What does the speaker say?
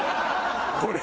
これ。